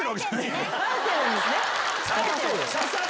生えてるんですね。